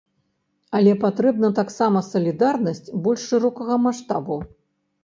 Але патрэбна таксама салідарнасць больш шырокага маштабу.